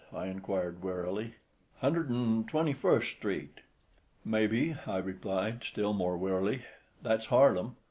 I inquired, wearily. "Hundred 'n' twenty first street." "May be," I replied, still more wearily. "That's Harlem.